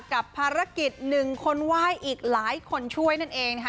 กับภารกิจหนึ่งคนไหว้อีกหลายคนช่วยนั่นเองนะคะ